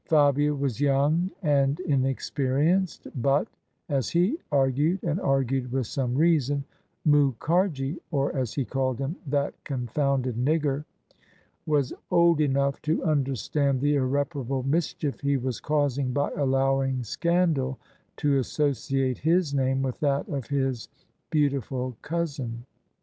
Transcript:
Fabia was young and inexperienced ; but — as he argued, and argued with some reason — Mukharji (or, as he called him, " that confounded nigger ") was old enough to understand the irreparable mischief he was causing by allowing scandal to associate his name with that of his beau tiful cousin.